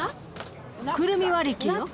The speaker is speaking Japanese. くるみ割り器よ。